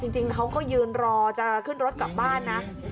จริงเขาก็ยืนรอจะขึ้นรถกลับบ้านนะ